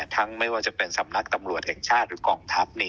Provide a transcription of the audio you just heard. ไม่ว่าจะเป็นสำนักตำรวจแห่งชาติหรือกองทัพ